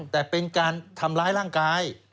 แต่เป็นการทำร้ายร่างกาย